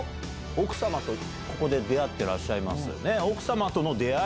奥様とここで出会ってらっしゃいますね。